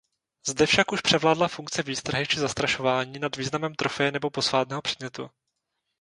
Zde však už převládla funkce výstrahy či zastrašování nad významem trofeje nebo posvátného předmětu.